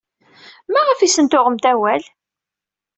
Maɣef ay asen-tuɣemt awal?